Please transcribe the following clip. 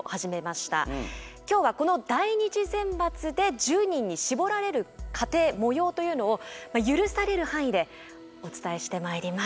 今日はこの第２次選抜で１０人に絞られる過程もようというのを許される範囲でお伝えしてまいります。